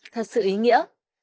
thật sự ý nghĩa